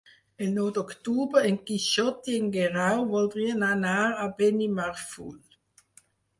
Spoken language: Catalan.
El nou d'octubre en Quixot i en Guerau voldrien anar a Benimarfull.